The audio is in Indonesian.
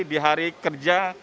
di hari kerja